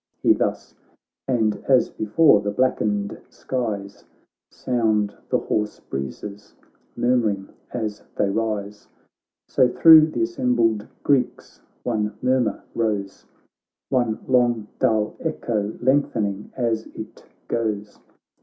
' He thus ; and as before the blackened skies Soimd the hoarse breezes, murmuring as they rise, So thro' th' assembled Greeks one mur mur rose, OnelongduU echo lengthening as it goes.